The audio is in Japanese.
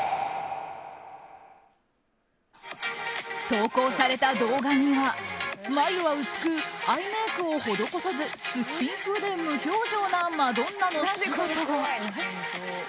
投稿された動画には、眉は薄くアイメイクを施さずすっぴん風で無表情なマドンナの姿が。